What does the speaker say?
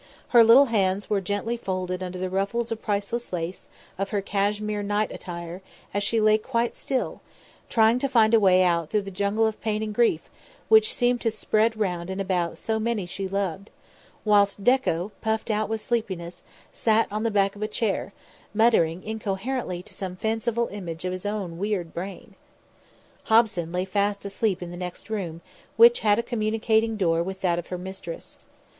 Her little hands were gently folded under the ruffles of priceless lace of her cashmere night attire as she lay quite still, trying to find a way out through the jungle of pain and grief which seemed to spread round and about so many she loved; whilst Dekko, puffed out with sleepiness, sat on the back of a chair, muttering incoherently to some fanciful image of his weird brain. Hobson lay fast asleep in the next room, which had a communicating door with that of her mistress.